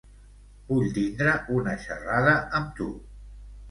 Vull tindre una xerrada amb tu.